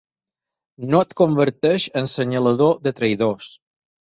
No et converteix en senyalador de traïdors.